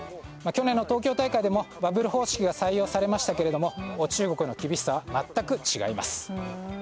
去年の東京大会でもバブル方式が採用されましたが中国の厳しさは全く違います。